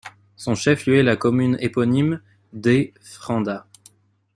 Son chef lieu est la commune éponyme d'Frenda.